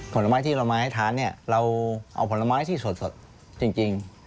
ผลไม้ที่เรามาให้ทานเนี่ยเราเอาผลไม้ที่สดจริง